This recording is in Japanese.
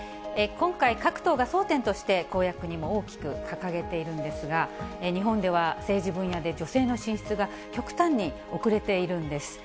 今回、各党が争点として公約にも大きく掲げているんですが、日本では政治分野で女性の進出が極端に遅れているんです。